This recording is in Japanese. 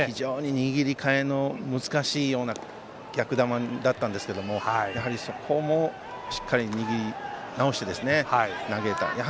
握り替えの難しいような逆球だったんですけれどもそこもしっかり握りなおして投げた。